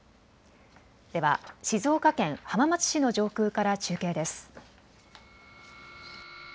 では静岡県浜松市の上空から中継です。